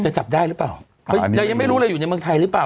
จับได้หรือเปล่าเขายังไม่รู้เลยอยู่ในเมืองไทยหรือเปล่า